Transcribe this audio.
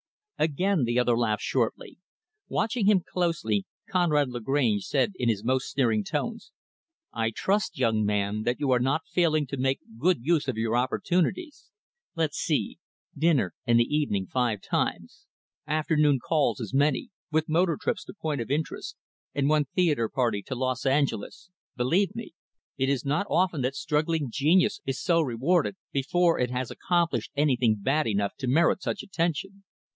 Again, the other laughed shortly. Watching him closely, Conrad Lagrange said, in his most sneering tones, "I trust, young man, that you are not failing to make good use of your opportunities. Let's see dinner and the evening five times afternoon calls as many with motor trips to points of interest and one theater party to Los Angeles believe me; it is not often that struggling genius is so rewarded before it has accomplished anything bad enough to merit such attention."